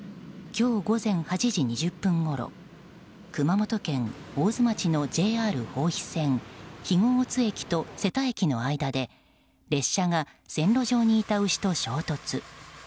今日午前８時２０分ごろ熊本県大津町のＪＲ豊肥線肥後大津駅と瀬田駅の間で列車が線路上にいた牛と衝突。